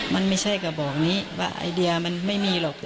มันไม่ใช่กระบอกนี้ว่าไอเดียมันไม่มีหรอก